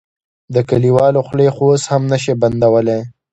د کليوالو خولې خو اوس هم نه شې بندولی.